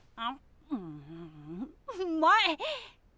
うまい！